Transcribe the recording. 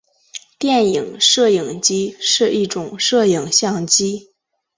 电影摄影机是一种摄影相机。